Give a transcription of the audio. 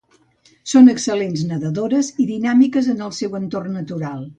Són excel·lents nedadores i dinàmiques en el seu entorn natural.